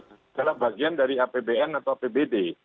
adalah bagian dari apbn atau apbd